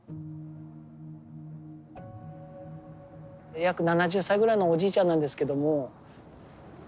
約７０歳ぐらいのおじいちゃんなんですけども。